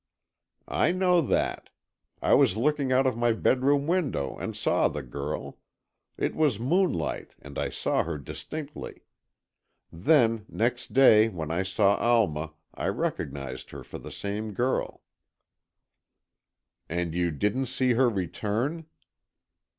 "I know that. I was looking out of my bedroom window and saw the girl; it was moonlight and I saw her distinctly. Then, next day when I saw Alma I recognized her for the same girl." "And you didn't see her return?"